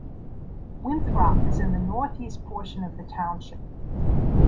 Winthrop is in the northeast portion of the township.